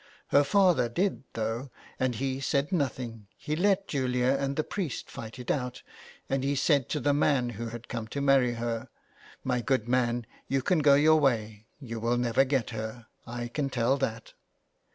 Her father did, though, and he said nothing ; he let Julia and the priest fight it out, and he said to the man who had come to marry her, ' My good man, you can go your way ; you will never get her, I can tell that.